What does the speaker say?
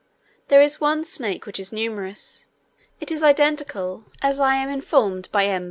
There is one snake which is numerous; it is identical, as I am informed by M.